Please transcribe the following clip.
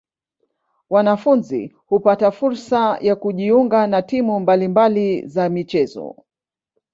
Wanafunzi hupata fursa ya kujiunga na timu mbali mbali za michezo.